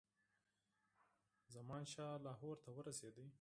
زمانشاه لاهور ته ورسېدی.